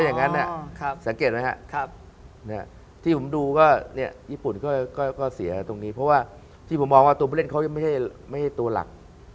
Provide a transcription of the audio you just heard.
อย่างนั้นสังเกตไหมครับที่ผมดูก็ญี่ปุ่นก็เสียตรงนี้เพราะว่าที่ผมมองว่าตัวผู้เล่นเขายังไม่ใช่ตัวหลัก